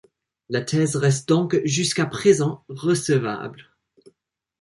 La thèse reste donc, jusqu'à présent, recevable.